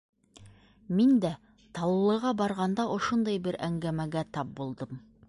Мин дә Таллыға барғанда ошондай бер әңгәмәгә тап булдым.